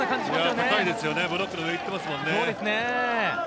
高いですね、ブロックの上をいってますもんね。